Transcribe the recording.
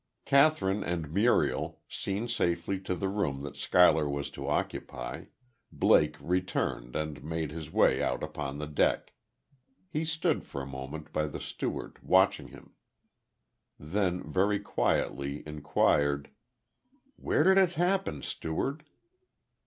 Kathryn and Muriel, seen safely to the room that Schuyler was to occupy, Blake returned and made his way out upon the deck. He stood for a moment by the steward, watching him. Then very quietly inquired: "Where did it happen, Steward?"